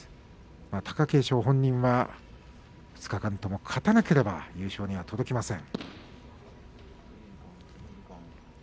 貴景勝本人は２日間とも勝たなければ優勝には届きません。